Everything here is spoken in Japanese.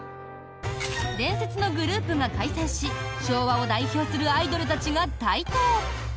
伝説のグループが解散し昭和を代表するアイドルたちが台頭。